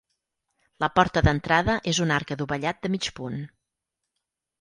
La porta d'entrada és un arc adovellat de mig punt.